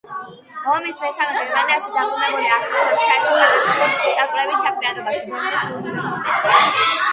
ომის მერე გერმანიაში დაბრუნებული, აქტიურად ჩაერთო პედაგოგიურ და კვლევით საქმიანობაში, ბერლინის უნივერსიტეტში.